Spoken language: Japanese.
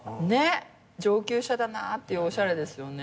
上級者だなっていうおしゃれですよね。